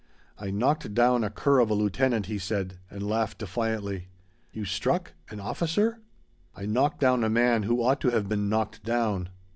"I knocked down a cur of a lieutenant," he said, and laughed defiantly. "You struck an officer?" "I knocked down a man who ought to have been knocked down!"